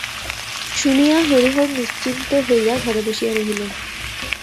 শুনিয়া হরিহর নিশ্চিন্ত হইয়া ঘরে বসিয়া রহিলেন।